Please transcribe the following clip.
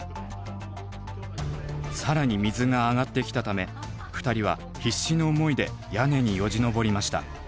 更に水が上がってきたため２人は必死の思いで屋根によじ登りました。